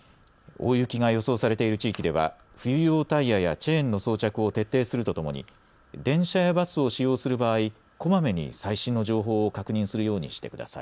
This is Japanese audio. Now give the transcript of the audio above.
大雪が予想されている地域では、冬用タイヤやチェーンの装着を徹底するとともに、電車やバスを使用する場合、こまめに最新の情報を確認するようにしてください。